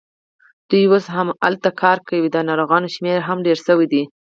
دوی اوس هماغلته کار کوي، د ناروغانو شمېر هم ډېر شوی دی.